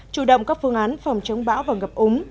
chủ động các phương án phòng chống bão và ngập úng